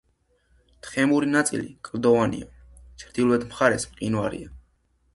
თხემური ნაწილი კლდოვანია, ჩრდილოეთ მხარეს მყინვარია.